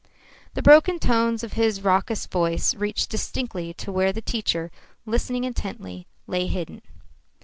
The broken tones of his raucous voice reached distinctly to where the teacher, listening intently, lay hidden.